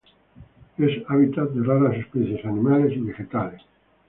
Es hábitat de raras especies animales y vegetales.